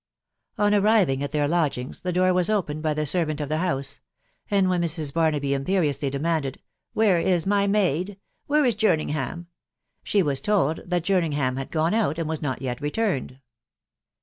On arriving at their lodgings, the iabt wasr opened by the servant of the house ; and when Mrs. Barnaby imperiously demanded, "" Where iff my maid1 ?•... where is* Jerning ham ?" she was told that Jerriinghath had gone otit, and wis not yet returned.